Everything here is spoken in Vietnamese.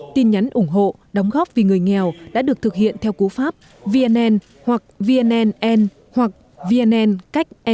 tin nhắn ủng hộ đóng góp vì người nghèo đã được thực hiện theo cú pháp vnn hoặc vnnn hoặc vnn cách n gửi một nghìn bốn trăm linh tám